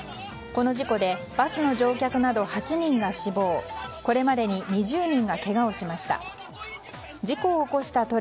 この事故でバスの乗客など８人が死亡これまでに２０人がけがをしました。